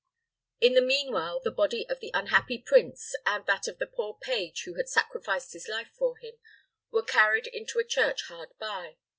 In the mean while, the body of the unhappy prince, and that of the poor page who had sacrificed his life for him, were carried into a church hard by.